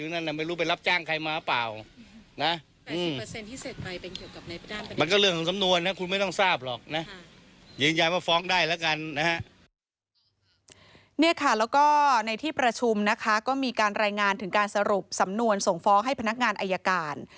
นี่ค่ะแล้วก็ในที่ประชุมนะคะก็มีการรายงานถึงการสรุปสำนวนส่งฟ้องให้พนักงานอายการ